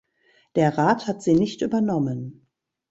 Der Rat hat sie nicht übernommen.